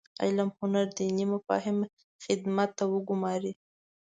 علم هنر دیني مفاهیم خدمت ته وګوماري.